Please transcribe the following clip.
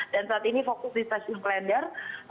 dan saat ini fokus di stasiun klender